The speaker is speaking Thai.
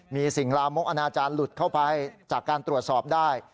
มีสิ่งลามกอนาจารย์หลุดเข้าไปจากการตรวจสอบได้